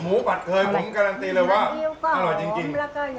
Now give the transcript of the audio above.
หมูปัดเคยผมก่อนกรารันตีเลยว่าอร่อยจริง